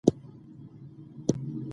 افغانستان له طبیعي زیرمې ډک دی.